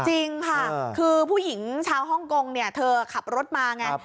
จริงค่ะคือผู้หญิงชาวฮ่องกงเนี่ยเธอขับรถมาไง